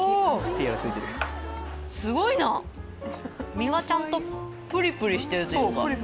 身がちゃんとプリプリしてるというか。